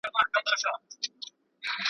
نن به زما جنازه اخلي سبا ستا په وینو سور دی .